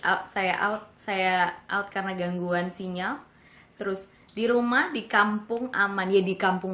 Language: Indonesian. out saya out saya out karena gangguan sinyal terus di rumah di kampung aman ya di kampung